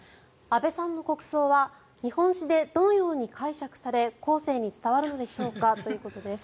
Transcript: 安倍さんの国葬は日本史でどのように解釈され後世に伝わるのでしょうかということです。